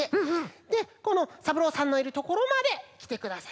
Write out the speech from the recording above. でこのさぶろうさんのいるところまできてください。